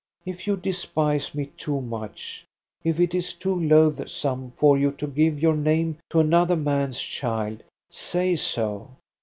If you despise me too much, if it is too loathsome for you to give your name to another man's child, say so